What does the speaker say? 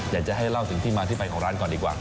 อยากจะให้เล่าถึงที่มาที่ไปของร้านก่อนดีกว่า